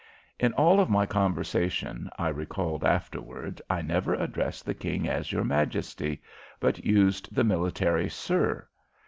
In all of my conversation, I recalled afterward, I never addressed the King as "Your Majesty," but used the military "sir."